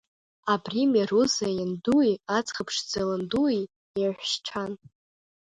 Абри Меруза иандуи аӡӷаб ԥшӡа ландуи еиҳәшьцәан.